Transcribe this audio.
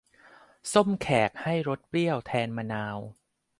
ส้มแขก ให้รสเปรี้ยว ใช้แทนมะนาว